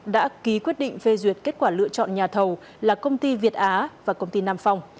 đã ký quyết định phê duyệt kết quả lựa chọn nhà thầu là công ty việt á và công ty nam phòng